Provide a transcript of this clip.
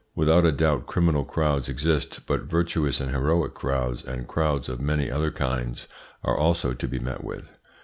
Without a doubt criminal crowds exist, but virtuous and heroic crowds, and crowds of many other kinds, are also to be met with.